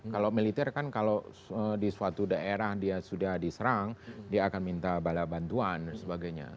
kalau militer kan kalau di suatu daerah dia sudah diserang dia akan minta bala bantuan dan sebagainya